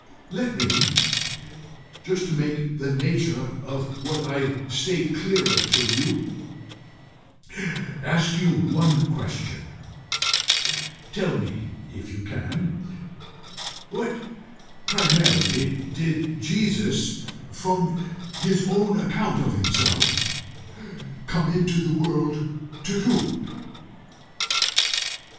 Let me, just to make the nature of what I state clearer to you, ask you one question: tell me, if you can, what, primarily, did Jesus, from his own account of himself, come into the world to do?"